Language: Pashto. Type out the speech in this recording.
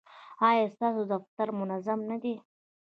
ایا ستاسو دفتر منظم نه دی؟